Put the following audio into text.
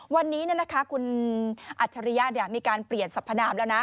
วันนี้คุณอัจฉริยะมีการเปลี่ยนสัพพนามแล้วนะ